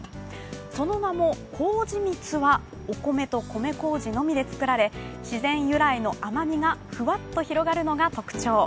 その名も、糀みつはお米と米糀のみで作られ自然由来の甘みがふわっと広がるのが特徴。